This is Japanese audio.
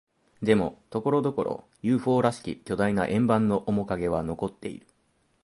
でも、ところどころ、ＵＦＯ らしき巨大な円盤の面影は残っている。